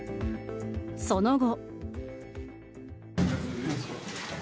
その後。